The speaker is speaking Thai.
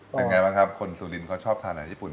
เป็นไงบ้างครับคนสุรินเขาชอบทานอาหารญี่ปุ่น